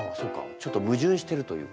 ちょっと矛盾してるというか。